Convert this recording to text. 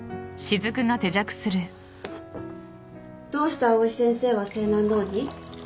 どうして藍井先生は青南ローに？